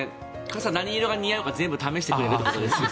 傘、何色が似合うか全部試してくれるということですよね。